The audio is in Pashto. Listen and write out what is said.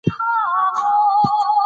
زه درواغجن نه یم.